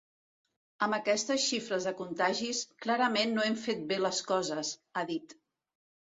“Amb aquestes xifres de contagis, clarament no hem fet bé les coses”, ha dit.